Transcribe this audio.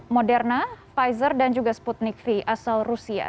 moderna pfizer dan juga sputnik v asal rusia